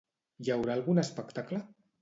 Hi haurà algun espectacle?